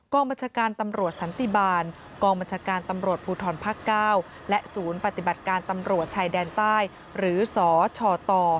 บัญชาการตำรวจสันติบาลกองบัญชาการตำรวจภูทรภาค๙และศูนย์ปฏิบัติการตำรวจชายแดนใต้หรือสชต